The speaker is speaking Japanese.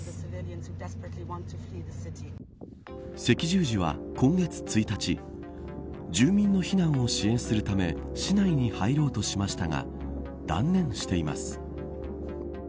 赤十字は、今月１日住民の避難を支援するため市内に入ろうとしましたが断念しています。